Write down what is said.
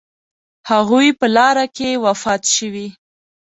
هغوی په لاره کې وفات شوي.